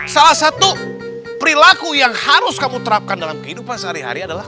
salah satu perilaku yang harus kamu terapkan dalam kehidupan sehari hari adalah